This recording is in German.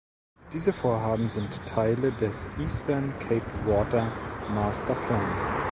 Diese Vorhaben sind Teile des "Eastern Cape Water Master Plan".